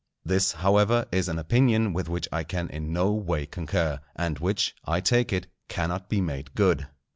This, however, is an opinion with which I can in no way concur, and which, I take it, cannot be made good.